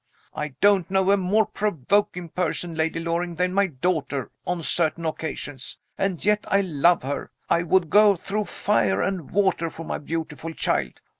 I don't know a more provoking person, Lady Loring, than my daughter on certain occasions. And yet I love her. I would go through fire and water for my beautiful child.